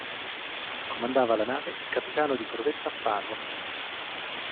Comandava la nave il capitano di corvetta Spano.